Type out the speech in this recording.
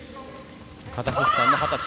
カザフスタンの二十歳。